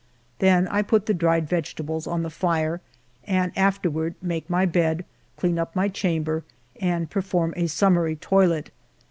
Then I put the dried vegetables on the fire, and after ward make my bed, clean up my chamber, and perform a summary toilet.